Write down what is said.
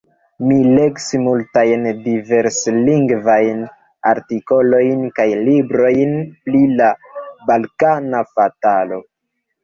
Mi legis multajn, diverslingvajn artikolojn kaj librojn pri la balkana fatalo.